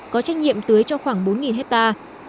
có trách nhiệm tưới cho khoảng bốn hectare